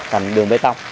thành đường bê tông